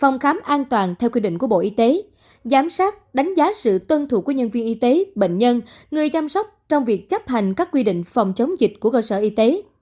giám sát đánh giá sự tân thủ của nhân viên y tế bệnh nhân người chăm sóc trong việc chấp hành các quy định phòng chống dịch của cơ sở y tế